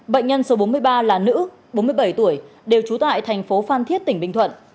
bệnh nhân số bốn mươi ba là nữ bốn mươi bảy tuổi đều trú tại thành phố phan thiết tỉnh bình thuận